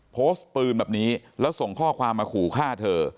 โพสต์ปืนแบบนี้แล้วส่งข้อความมาขู่ฆ่าเธอ